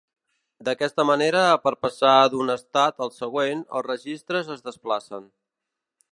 D'aquesta manera per passar d'un estat al següent els registres es desplacen.